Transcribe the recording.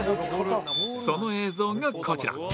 その映像がこちら